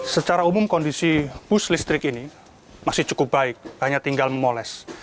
secara umum kondisi bus listrik ini masih cukup baik hanya tinggal memoles